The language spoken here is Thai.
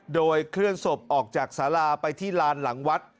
โดยเคลื่อนศพออกจากสาราไปที่ลานหลังวัด